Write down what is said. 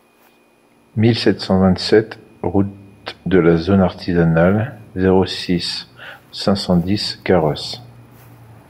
mille sept cent vingt-sept route de la Zone Artisanale, zéro six, cinq cent dix Carros